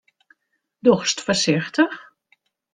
Dochst foarsichtich?